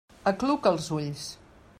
Acluca els ulls.